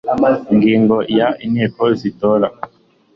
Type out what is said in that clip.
ingingo ya inteko zitora